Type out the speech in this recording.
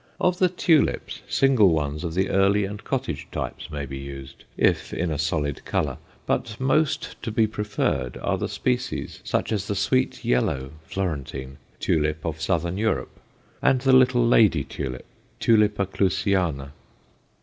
Of the tulips, single ones of the early and cottage types may be used, if in a solid color, but most to be preferred are the species, such as the sweet yellow (Florentine) tulip of Southern Europe and the little lady tulip (Tulipa Clusiana).